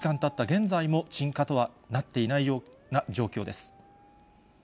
現在も鎮火とはなっていないような状況です。